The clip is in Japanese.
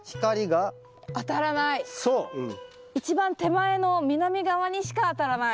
一番手前の南側にしか当たらない。